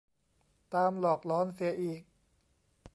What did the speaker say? ตามหลอกหลอนเสียอีก